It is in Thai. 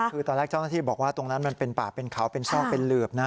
คือตอนแรกเจ้าหน้าที่บอกว่าตรงนั้นมันเป็นป่าเป็นเขาเป็นซอกเป็นหลืบนะ